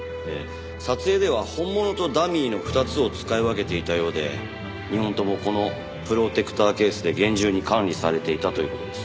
撮影では本物とダミーの２つを使い分けていたようで２本ともこのプロテクターケースで厳重に管理されていたという事です。